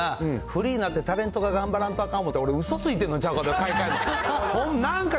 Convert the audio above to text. フリーになってタレントが頑張らんとあかんと、うそついてんのちゃうと、買い替えるとか。